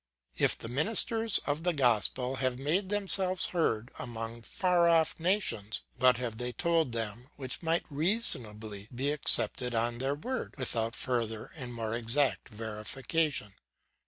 "If the ministers of the gospel have made themselves heard among far off nations, what have they told them which might reasonably be accepted on their word, without further and more exact verification?